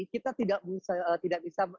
kita tidak bisa